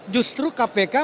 justru kpk masih makin lemah